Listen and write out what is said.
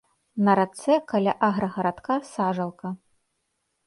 На рацэ каля аграгарадка сажалка.